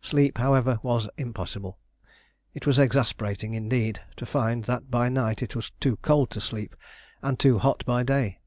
Sleep, however, was impossible. It was exasperating, indeed, to find that by night it was too cold to sleep, and too hot by day.